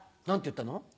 何て言ったの？